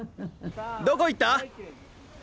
どこ行った？